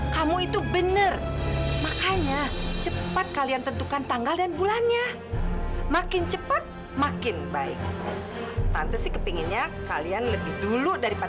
sampai jumpa di video selanjutnya